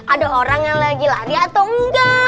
ada orang yang lagi lari atau enggak